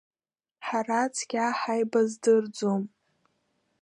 Ҳара цқьа ҳаибаздырӡом.